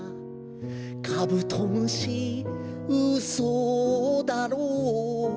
「カブトムシうそだろう」